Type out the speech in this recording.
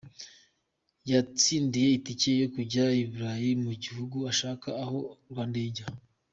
Yatsindiye itike yo kujya i Burayi mu gihugu ashaka aho RwandAir ijya.